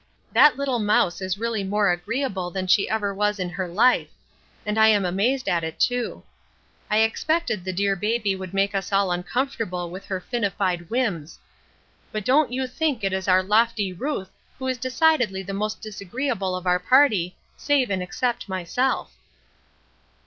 That little mouse is really more agreeable than she ever was in her life; and I am amazed at it, too. I expected the dear baby would make us all uncomfortable with her finified whims; but don't you think it is our lofty Ruth who is decidedly the most disagreeable of our party, save and except myself!"